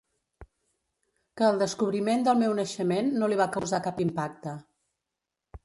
Que el descobriment del meu naixement no li va causar cap impacte.